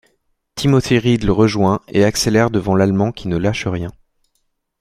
Timothy Reed le rejoint et accélère devant l'Allemand qui ne lâche rien.